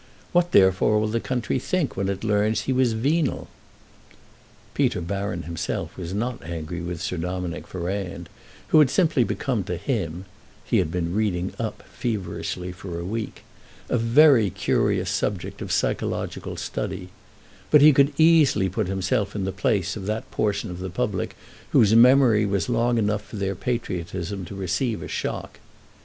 What therefore will the country think when it learns he was venal?" Peter Baron himself was not angry with Sir Dominick Ferrand, who had simply become to him (he had been "reading up" feverishly for a week) a very curious subject of psychological study; but he could easily put himself in the place of that portion of the public whose memory was long enough for their patriotism to receive a shock.